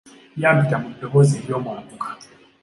Yampita mu ddoboozi eryomwanguka.